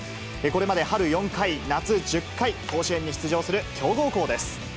これまで春４回、夏１０回、甲子園に出場する強豪校です。